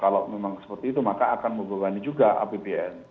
kalau memang seperti itu maka akan membebani juga apbn